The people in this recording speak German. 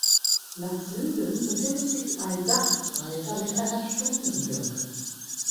Nach Süden befindet sich ein Dachreiter mit einer Stundenglocke.